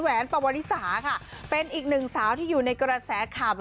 แวนปวริสาค่ะเป็นอีกหนึ่งสาวที่อยู่ในกระแสข่าว